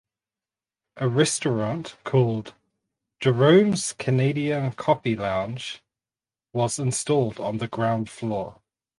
A restaurant called "Gerome’s Canadian Coffee Lounge" was installed on the ground floor.